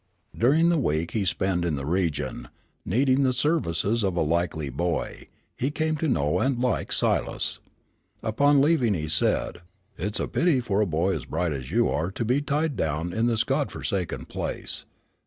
During the week he spent in the region, needing the services of a likely boy, he came to know and like Silas. Upon leaving, he said, "It's a pity for a boy as bright as you are to be tied down in this God forsaken place.